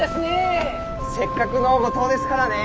せっかくの五島ですからね。